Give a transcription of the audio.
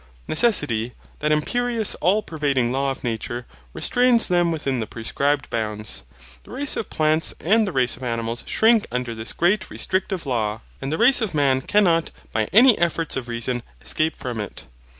Necessity, that imperious all pervading law of nature, restrains them within the prescribed bounds. The race of plants and the race of animals shrink under this great restrictive law. And the race of man cannot, by any efforts of reason, escape from it.